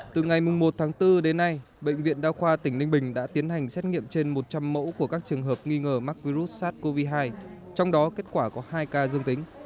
từ ngày một tháng bốn đến nay bệnh viện đa khoa tỉnh ninh bình đã tiến hành xét nghiệm trên một trăm linh mẫu của các trường hợp nghi ngờ mắc virus sars cov hai trong đó kết quả có hai ca dương tính